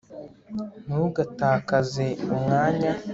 ntugatakaze umwanya